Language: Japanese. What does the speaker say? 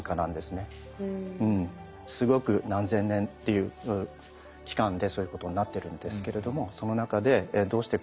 すごく何千年っていう期間でそういうことになってるんですけれどもその中でそうですね。